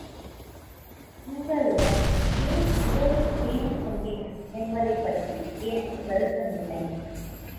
உங்களுடன் ஏன் விரோதம் செய்து கொண்டேன் என்பதைப் பற்றி எனக்கு வருத்தம் இல்லை.